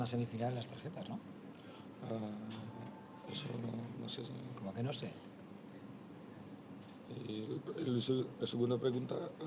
di semifinal ada pemutihkan kartu kuning